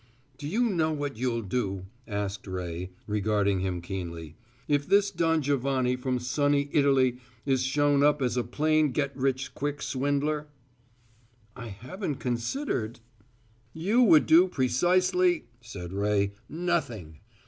"Do you know what you'll do," asked Ray, regarding him keenly, "if this Don Giovanni from Sunny It' is shown up as a plain get rich quick swindler?" "I haven't considered " "You would do precisely," said Ray, "nothing!